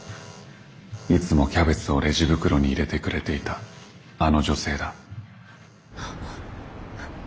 いつもキャベツをレジ袋に入れてくれていたあの女性だ。